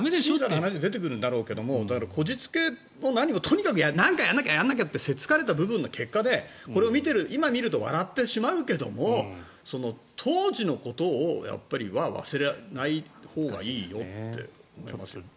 審査の話は出てくるんだろうけどとにかく何かやらなきゃやらなきゃってせっつかれた部分の結果でこれを今見ると笑ってしまうけれど当時のことを忘れないほうがいいよって言っていますよね。